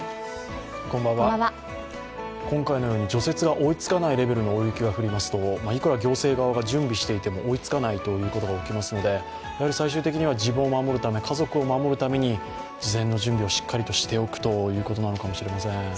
今回のように除雪が追いつかないレベルの大雪が降りますといくら行政側が準備していても追いつかないということが起きますのでやはり最終的には自分を守るため、家族を守るために事前の準備をしっかりとしておくということなのかもしれません。